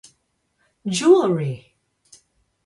Jewelry!